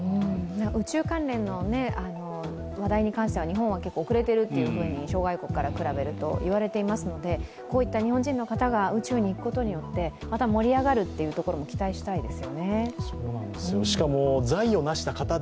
宇宙関連の話題に関しては日本は遅れていると、諸外国と比べるといわれていますのでこういった日本人の方が宇宙に行くことによって盛り上がることも期待します。